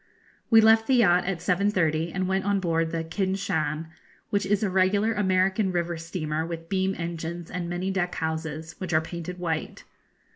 We left the yacht at 7.30, and went on board the 'Kin Shan,' which is a regular American river steamer with beam engines and many deck houses, which are painted white.